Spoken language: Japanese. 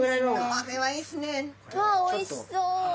わあおいしそう！